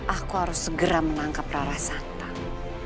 aku harus segera menangkap rara santang